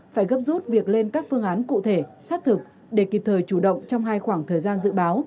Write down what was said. phải gấp rút việc lên các phương án cụ thể xác thực để kịp thời chủ động trong hai khoảng thời gian dự báo